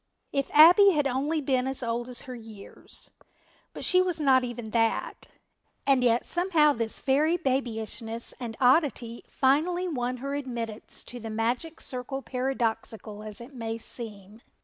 If Abbie had only been as old as her years, but she was not even that, and yet somehow this very babyishness and oddity finally won her admittance to the magic circle paradoxical as it may seem.